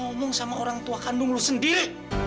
lu ngomong sama orang tua kandung lu sendiri